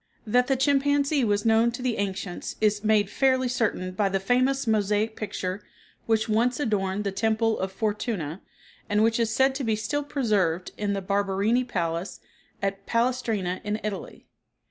That the chimpanzee was known to the ancients is made fairly certain by the famous mosaic picture which once adorned the temple of Fortuna, and which is said to be still preserved in the Barberini palace at Palestrina in Italy.